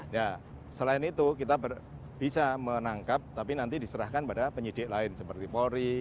ya selain itu kita bisa menangkap tapi nanti diserahkan pada penyidik lain seperti polri